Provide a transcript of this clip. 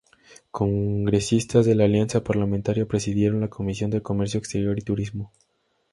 Congresistas de la Alianza Parlamentaria presidieron la Comisión de Comercio Exterior y Turismo.